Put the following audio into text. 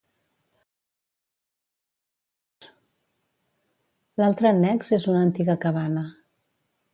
L'altre annex és una antiga cabana.